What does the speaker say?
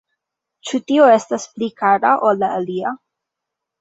Ĉu tio estas pli kara ol la alia?